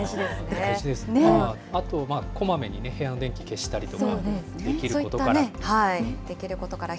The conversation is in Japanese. あと、こまめに部屋の電気消したりとか、できることから。